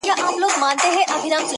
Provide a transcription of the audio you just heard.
• د ګیدړ پر ځای پخپله پکښي ګیر سو -